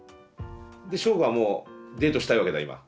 でしょうごはもうデートしたいわけだ今。